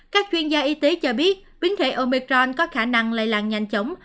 các chuyên gia y tế cho biết biến thể omicron có khả năng lây lan nhanh chóng